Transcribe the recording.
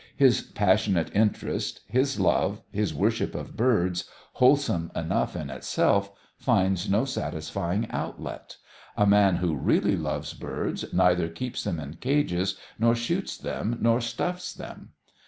His passionate interest, his love, his worship of birds, wholesome enough in itself, finds no satisfying outlet. A man who really loves birds neither keeps them in cages nor shoots them nor stuffs them.